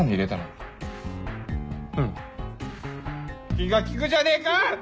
気が利くじゃねえか！